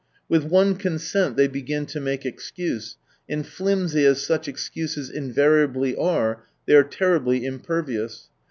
With one consent ihey begin to make excuse, and flimsy as such excuses invariably are, they are terribly impervious.